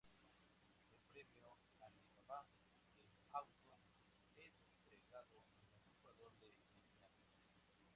El Premio "Alibaba E-Auto" es entregado al mejor jugador de la final.